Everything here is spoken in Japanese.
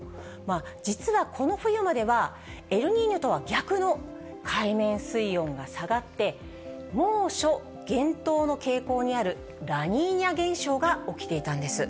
実はこの冬までは、エルニーニョとは逆の海面水温が下がって、猛暑厳冬の傾向にあるラニーニャ現象が起きていたんです。